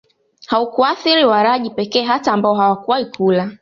haukuathiri walaji pekee hata ambao hawakuwahi kula